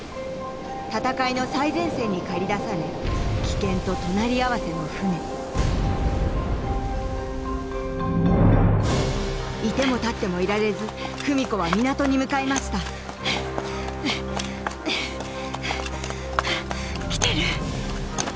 戦いの最前線に駆り出され危険と隣り合わせの船居ても立ってもいられず文子は港に向かいました来てる！